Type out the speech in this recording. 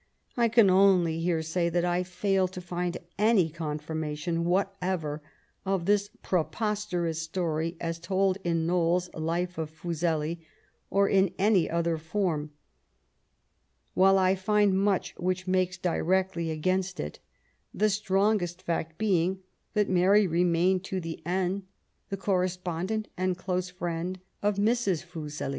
I can only here say that I fail to find any confirmation whatever of this preposterous story, as told in Enowles's Life of Fuseli^ or in any other form, while I find much which makes directly against it, the strongest fact being that Mary remained to the end the correspondent and close friend of Mrs. Fuseli.